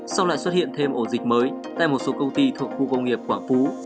sau lại xuất hiện thêm ổ dịch mới tại một số công ty thuộc khu công nghiệp quảng phú